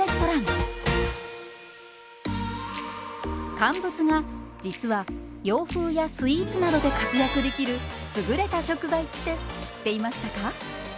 乾物が実は洋風やスイーツなどで活躍できる優れた食材って知っていましたか？